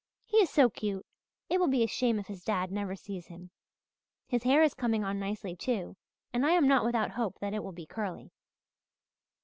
He is so cute, it will be a shame if his dad never sees him. His hair is coming on nicely too, and I am not without hope that it will be curly.